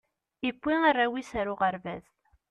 iwwi arraw is ar uɣerbaz